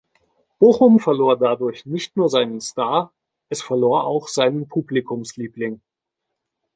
Bochum verlor dadurch nicht nur seinen Star, es verlor auch seinen Publikumsliebling.